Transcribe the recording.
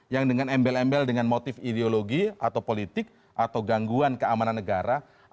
yang dengan embel embel dengan motif ideologi atau politik atau gangguan keamanan negara